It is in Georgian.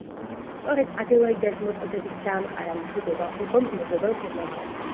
სწორედ ადელაიდას მოწოდებით დაამყარა მშვიდობა ჰუგომ მეზობელ გერმანიასთან.